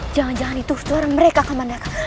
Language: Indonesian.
jangan jangan itu suara mereka kaman daka